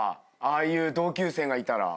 ああいう同級生がいたら。